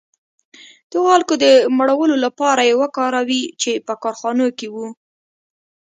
د هغو خلکو د مړولو لپاره یې وکاروي چې په کارخانو کې وو